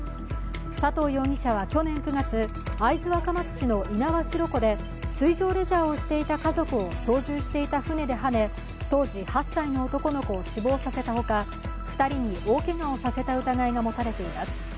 佐藤容疑者は去年９月会津若松市の猪苗代湖で水上レジャーをしていた家族を操縦していた船ではね、当時８歳の男の子を死亡させた他、２人に大けがをさせた疑いが持たれています。